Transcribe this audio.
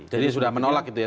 jadi sudah menolak itu ya